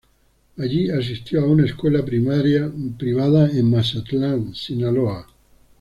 Allí asistió a una escuela primaria privada en Mazatlán, Sinaloa.